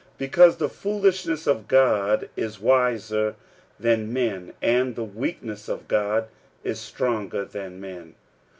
46:001:025 Because the foolishness of God is wiser than men; and the weakness of God is stronger than men.